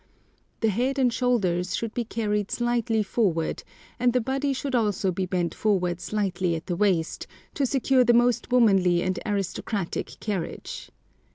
The head and shoulders should be carried slightly forward, and the body should also be bent forward slightly at the waist, to secure the most womanly and aristocratic carriage.